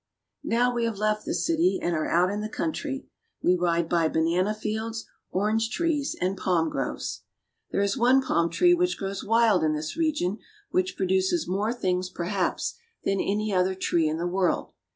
Now we have left the city and are out in the country. We ride by banana fields, orange trees, and palm groves. 298 BRAZIL. There is one palm tree which grows wild in this region which produces more things, perhaps, than any other tree in the world.